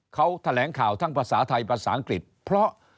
เขาแถลงข่าวทั้งภาษาไทยภาษาอังกฤษเพราะ